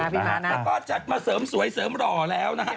แล้วก็จัดมาเสริมสวยเสริมหล่อแล้วนะฮะ